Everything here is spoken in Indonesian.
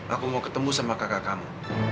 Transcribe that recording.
aku mau ketemu sama kakak kamu